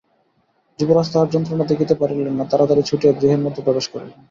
যুবরাজ তাহার যন্ত্রণা দেখিতে পারিলেন না, তাড়াতাড়ি ছুটিয়া গৃহের মধ্যে প্রবেশ করিলেন।